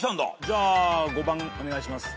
じゃあ５番お願いします。